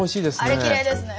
あれきれいですね。